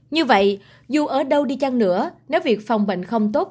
như vậy dù ở đâu đi chăng nữa nếu việc phòng bệnh không tốt